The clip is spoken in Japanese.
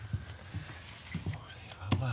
これはまぁ。